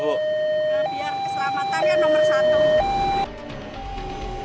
biar keselamatan yang nomor satu